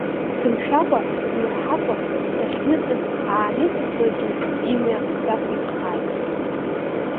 Дымшәакәа-дмырҳакәа, дахьныҵыҵ-ааҵыҵлакгьы, имҩа дақәиҭхааит!